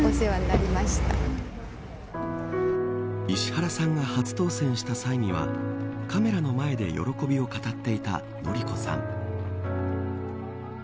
石原さんが初当選した際にはカメラの前で喜びを語っていた典子さん。